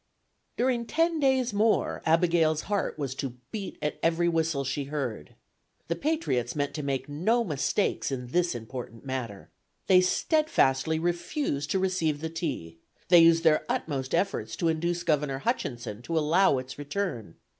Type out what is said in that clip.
During ten days more, Abigail Adams' heart was to "beat at every whistle she heard." The patriots meant to make no mistakes in this important matter. They steadfastly refused to receive the tea; they used their utmost efforts to induce Governor Hutchinson to allow its return.